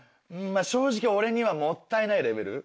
正直俺にはもったいないレベル。